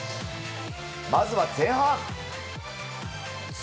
まずは前半。